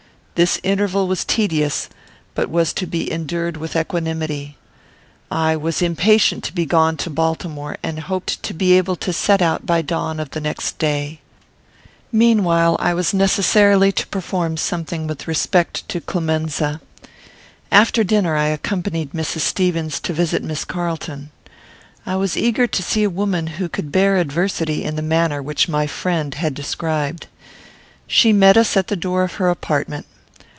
This interval was tedious, but was to be endured with equanimity. I was impatient to be gone to Baltimore, and hoped to be able to set out by the dawn of next day. Meanwhile, I was necessarily to perform something with respect to Clemenza. After dinner I accompanied Mrs. Stevens to visit Miss Carlton. I was eager to see a woman who could bear adversity in the manner which my friend had described. She met us at the door of her apartment.